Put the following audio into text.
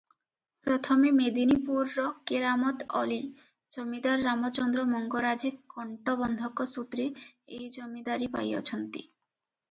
ପ୍ରଥମେ ମେଦିନୀପୁରର କେରାମତ୍ ଅଲି ଜମିଦାର ରାମଚନ୍ଦ୍ର ମଙ୍ଗରାଜେ କଣ୍ଟବନ୍ଧକ ସୂତ୍ରେ ଏହି ଜମିଦାରୀ ପାଇଅଛନ୍ତି ।